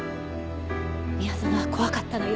宮園は怖かったのよ